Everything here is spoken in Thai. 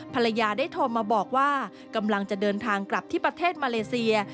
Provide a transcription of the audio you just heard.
ภรรยาได้โทรมาบอกว่ากำลังจะเดินทางกลับที่ประเทศมาเลเซีย